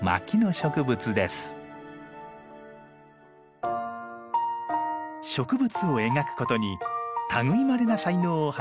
植物を描くことに類いまれな才能を発揮した牧野博士。